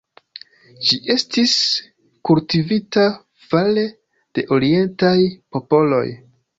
Ĝi estis kultivita fare de orientaj popoloj.